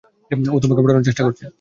ও তোমাকে পটানোর চেষ্টা করছে।